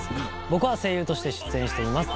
僕は声優として出演しています。